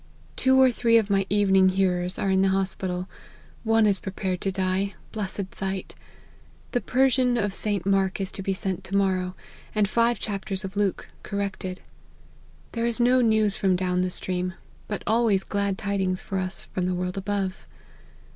Two or three of my evening hearers are in the hospital ; one is prepared to die : blessed sight ! The Per sian of St. Mark is to be sent to morrow, and five chapters of Luke, corrected. There is no news from down the stream ; but always glad tidings for us from the world above."